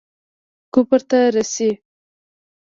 کفر ته رسي.